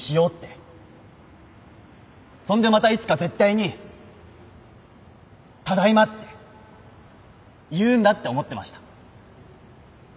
そんでまたいつか絶対に「ただいま」って言うんだって思ってました。